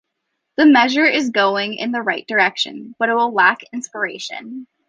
The measure is going in the right direction, but it will lack inspiration.